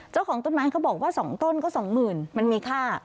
เจ้าของต้นไม้เขาบอกว่าสองต้นก็สองหมื่นมันมีค่า